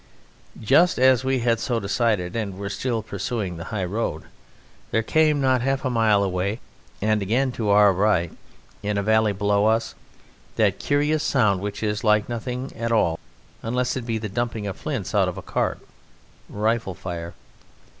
Just as we had so decided and were still pursuing the high road, there came, not half a mile away and again to our right, in a valley below us, that curious sound which is like nothing at all unless it be dumping of flints out of a cart: rifle fire.